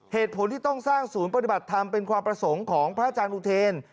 เหตุผลที่ต้องสร้างศูนย์ปฏิบัติธรรมเป็นความประสงค์ของพระอาจารย์อุเทน